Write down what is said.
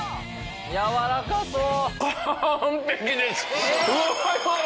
やわらかそう！